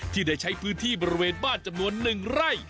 ที่ได้ใช้พื้นที่บริเวณบ้านจำนวน๑ไร่